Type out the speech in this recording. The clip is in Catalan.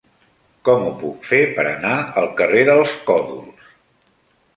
Com ho puc fer per anar al carrer dels Còdols?